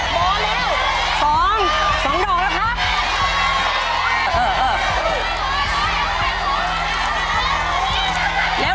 มองแล้ว